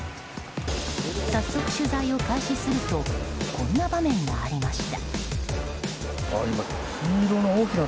早速、取材を開始するとこんな場面がありました。